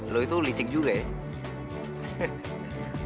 lo itu licik juga ya